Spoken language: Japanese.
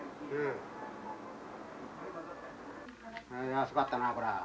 安かったなあこら。